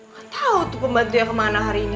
gak tau tuh pembantunya kemana hari ini